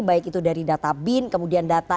baik itu dari data bin kemudian data